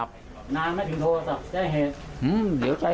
ตอนเขาล้มลุงอยู่ตรงไหน